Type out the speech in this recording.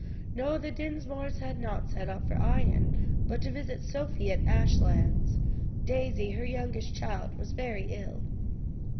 "No, the Dinsmores had not set out for Ion, but to visit Sophie at Ashlands; Daisy, her youngest child, was very ill."